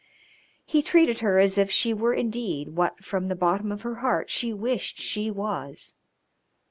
He treated her as if she were indeed what from the bottom of her heart she wished she was.